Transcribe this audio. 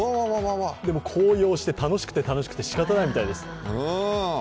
高揚して楽しくて楽しくてしかたないみたいです。